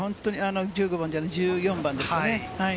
１５番じゃない、１４番ですね。